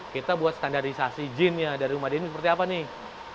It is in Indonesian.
kita buat standarisasi jin nya dari rumah dini seperti apa nih